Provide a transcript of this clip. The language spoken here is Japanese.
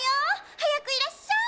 はやくいらっしゃい！